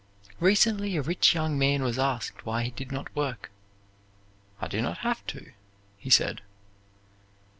Recently a rich young man was asked why he did not work. "I do not have to," he said.